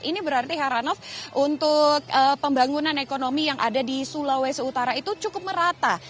ini berarti heranov untuk pembangunan ekonomi yang ada di sulawesi utara itu cukup merata